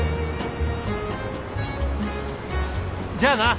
じゃあな。